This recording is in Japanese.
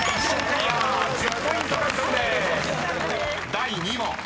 ［第２問］